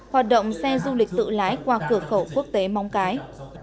hoạt động xe du lịch tự lái qua cửa khẩu quốc tế móng cái